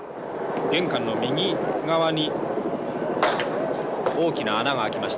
玄関の右側に大きな穴が開きました。